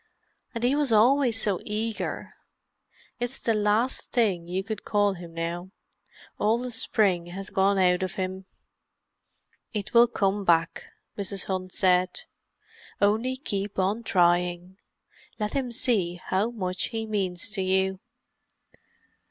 And he was always so eager. It's the last thing you could call him now. All the spring has gone out of him." "It will come back," Mrs. Hunt said. "Only keep on trying—let him see how much he means to you."